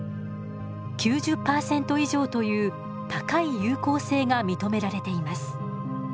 ９０％以上という高い有効性が認められています。